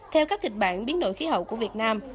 theo các kịch bản biến đổi khí hậu của việt nam